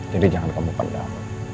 jadi jangan kamu kendal